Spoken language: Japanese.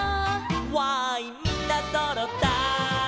「わーいみんなそろったい」